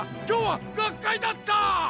今日は学会だった！